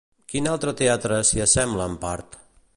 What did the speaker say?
Quin altre teatre s'hi assembla en part?